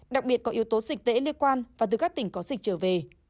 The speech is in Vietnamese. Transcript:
đặc biệt có yếu tố dịch tễ liên quan và từ các tỉnh có dịch trở về